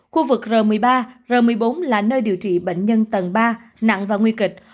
khu vực r một mươi ba r một mươi bốn là nơi điều trị bệnh nhân tầng ba nặng và nguy kịch